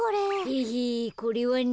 ヘヘこれはね。